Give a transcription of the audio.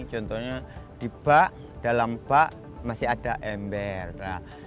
contohnya di bak dalam bak masih ada ember